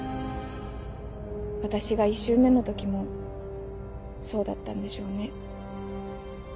私が１周目の時もそうだったんでしょうね。